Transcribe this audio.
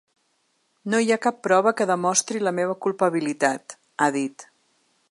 No hi ha cap prova que demostri la meva culpabilitat, ha dit.